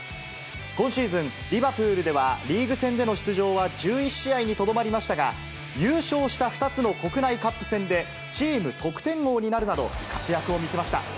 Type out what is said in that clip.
今シーズン、リバプールではリーグ戦での出場は１１試合にとどまりましたが、優勝した２つの国内カップ戦でチーム得点王になるなど、活躍を見せました。